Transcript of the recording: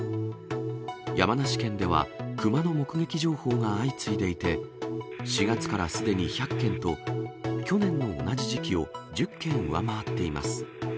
山梨県では、熊の目撃情報が相次いでいて、４月からすでに１００件と、去年の同じ時期を１０件上回っています。